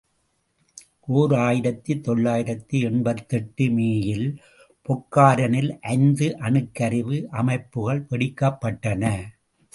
ஓர் ஆயிரத்து தொள்ளாயிரத்து எண்பத்தெட்டு மே இல் பொக்கரானில் ஐந்து அணுக்கருவி அமைப்புகள் வெடிக்கப்பட்டன.